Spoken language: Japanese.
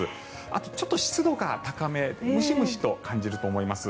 あと、ちょっと湿度が高めムシムシと感じると思います。